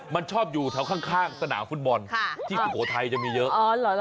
มันชอบอยู่แถวข้างสนามฟุตบอลที่สุโขทัยจะมีเยอะ